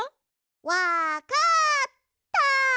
わかった！